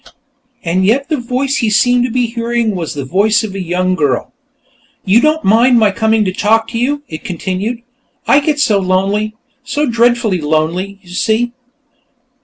And yet the voice he seemed to be hearing was the voice of a young girl. "You don't mind my coming to talk to you?" it continued. "I get so lonely, so dreadfully lonely, you see."